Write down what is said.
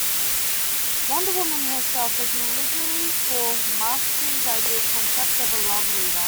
Wonder Woman herself was an allegory for Marston's ideal concept of a "love leader".